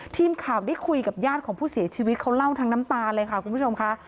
ทีมข่าวได้คุยกับญาติของผู้เสียชีวิตเขาเล่าทั้งน้ำตาเลยค่ะคุณผู้ชมค่ะ